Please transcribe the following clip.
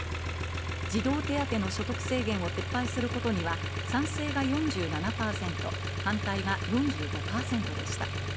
児童手当の所得制限を撤廃することには賛成が４７％、反対が４５％でした。